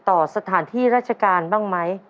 ต่อสถานที่ราชการบ้างไหม